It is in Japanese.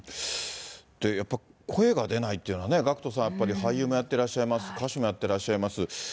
やっぱり声が出ないというのは、ＧＡＣＫＴさん、やっぱり俳優もやってらっしゃいます、歌手もやってらっしゃいます。